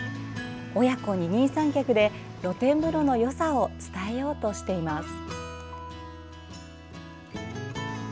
親子二人三脚で露天風呂のよさを伝えようとしています。